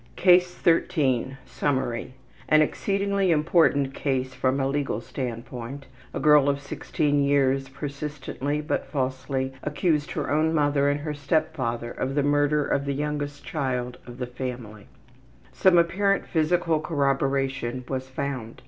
CASE 13 Summary: An exceedingly important case from a legal standpoint. A girl of 16 years persistently, but falsely accused her own mother and her step father of the murder of the youngest child of the family. Some apparent physical corroboration was found.